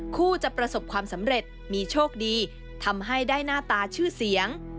จะประสบความสำเร็จมีโชคดีทำให้ได้หน้าตาชื่อเสียง